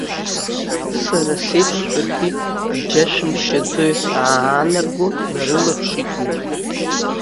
Сара сеиԥш шәаргьы иџьашәымшьаӡои ҳәа аанарго, днарылаԥшит уи.